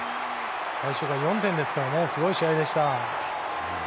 最終回４点ですからすごい試合でした。